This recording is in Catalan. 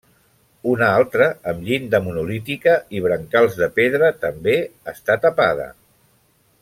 Una altra amb llinda monolítica i brancals de pedra també està tapada.